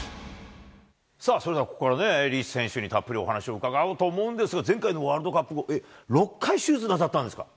さあ、それではここからね、リーチ選手にたっぷりお話を伺おうと思うんですが、前回のワールドカップ後、６回手術なさったんですか？